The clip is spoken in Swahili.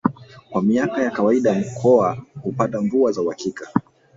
Kwa miaka ya kawaida mkoa hupata mvua za uhakika